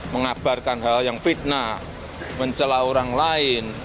mengabarkan hal hal yang fitnah mencelah orang lain